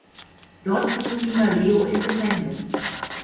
Dort findet Dina Leo im Gefängnis.